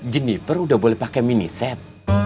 jennifer udah boleh pakai mini set